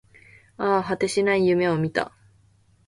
ああ、果てしない夢を見た